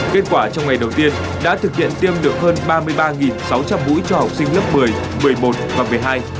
kết quả trong ngày đầu tiên đã thực hiện tiêm được hơn ba mươi ba sáu trăm linh mũi cho học sinh lớp một mươi một mươi một và một mươi hai